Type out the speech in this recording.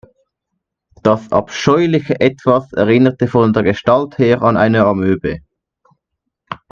Das abscheuliche Etwas erinnerte von der Gestalt her an eine Amöbe.